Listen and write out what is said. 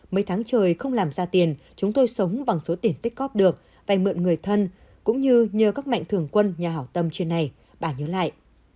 mấy tháng trời không làm ra tiền chúng tôi sống bằng số tiền tích cóp được vay mượn người thân cũng như nhờ các mạnh thường quân nhà hảo tâm trên này bà nhớ lại